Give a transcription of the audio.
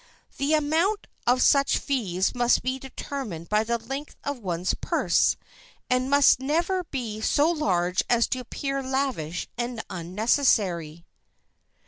The amount of such fees must be determined by the length of one's purse; and must never be so large as to appear lavish and unnecessary.